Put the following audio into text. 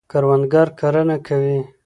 کروندګر کرنه کوي.